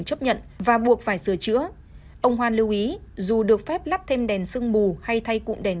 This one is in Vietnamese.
chấp nhận và buộc phải sửa chữa ông hoan lưu ý dù được phép lắp thêm đèn sương mù hay thay cụm đèn